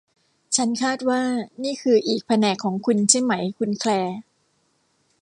ฉันคาดว่านี่คืออีกแผนกของคุณใช่ไหมคุณแคลร์